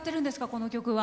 この曲は。